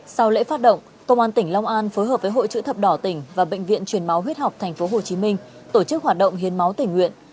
sau lễ phát động công an tỉnh long an phối hợp với hội chữ thập đỏ tỉnh và bệnh viện truyền máu huyết học tp hcm tổ chức hoạt động hiến máu tỉnh nguyện